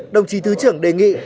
đồng chí thứ trưởng đề nghị